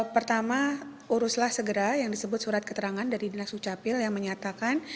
pertama uruslah segera yang disebut surat keterangan dari dinas dukcapil yang menyatakan